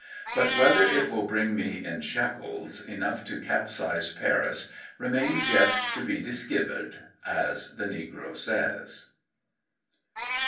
But whether it will bring me in "shekels" enough to capsize Paris remains yet to be "disskivered" as the Negro says.